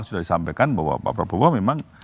sudah disampaikan bahwa pak prabowo memang